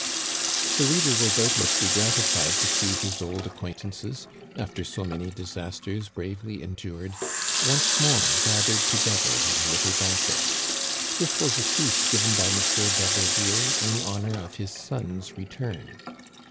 The reader will doubtless be gratified to see his old acquaintances, after so many disasters bravely endured, once more gathered together at a little banquet. This was a feast given by M. d'Haberville in honor of his son's return.